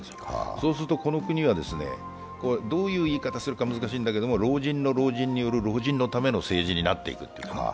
そうするとこの国はどういう言い方するか難しいんですが、老人の老人による老人のための政治になってしまう。